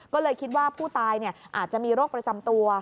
ก็เลยคิดว่าผู้ตายอาจจะมีโรคประจำตัว